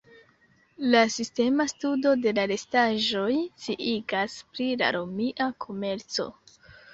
La sistema studo de la restaĵoj sciigas pri la romia komerco.